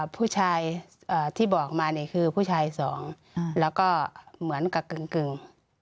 ผู้ชายที่บอกมาเนี่ยคือผู้ชายสองแล้วก็เหมือนกับกึ่ง